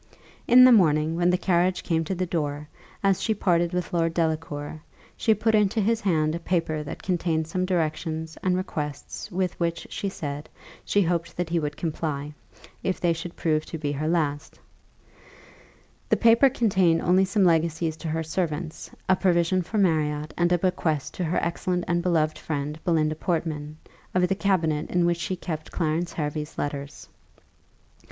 In the morning, when the carriage came to the door, as she parted with Lord Delacour, she put into his hand a paper that contained some directions and requests with which, she said, she hoped that he would comply, if they should prove to be her last. The paper contained only some legacies to her servants, a provision for Marriott, and a bequest to her excellent and beloved friend, Belinda Portman, of the cabinet in which she kept Clarence Hervey's letters.